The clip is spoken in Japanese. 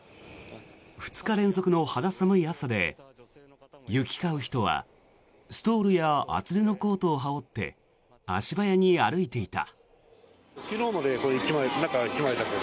２日連続の肌寒い朝で行き交う人はストールや厚手のコートを羽織って足早に歩いていた。